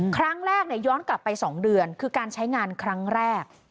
ย้อนกลับไป๒เดือนคือการใช้งานครั้งแรก